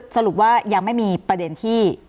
สรุปว่ายังไม่มีประเด็นที่